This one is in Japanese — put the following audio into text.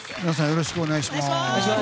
よろしくお願いします。